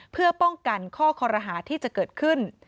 เพื่อป้องกันข้อคอรหาที่จะเกิดขึ้น